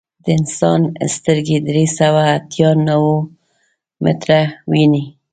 د انسان سترګې درې سوه اتیا نانومیټره ویني.